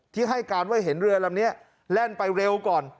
ที่ให้การว่าเห็นเรือลำนี้แล่นไปเร็วก่อน